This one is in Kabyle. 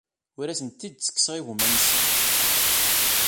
Ur asent-d-ttekkseɣ igumma-nsent.